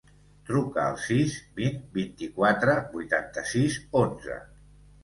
Truca al sis, vint, vint-i-quatre, vuitanta-sis, onze.